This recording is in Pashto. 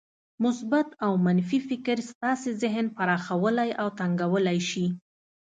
مثبت او منفي فکر ستاسې ذهن پراخولای او تنګولای شي.